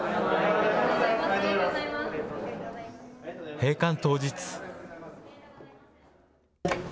閉館当日。